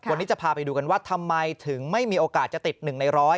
วันนี้จะพาไปดูกันว่าทำไมถึงไม่มีโอกาสจะติด๑ใน๑๐๐